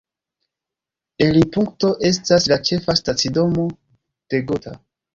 Elirpunkto estas la ĉefa stacidomo de Gotha.